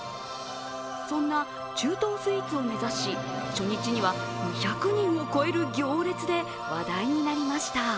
そんな中東スイーツを目指し、初日には２００人を超える行列で話題になりました。